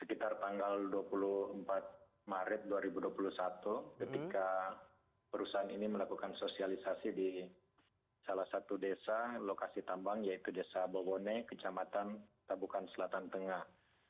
sekitar tanggal dua puluh empat maret dua ribu dua puluh satu ketika perusahaan ini melakukan sosialisasi di salah satu desa lokasi tambang yaitu desa bowone kecamatan tabukan selatan tengah